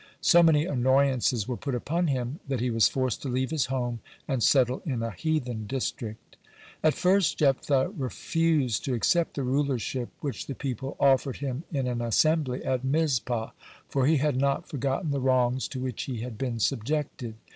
So many annoyances were put upon him that he was forced to leave his home and settle in a heathen district. (107) At first Jephthah refused to accept the rulership which the people offered him in an assembly at Mizpah, for he had not forgotten the wrongs to which he had been subjected.